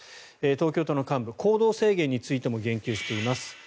東京都の幹部行動の制限についても言及しています。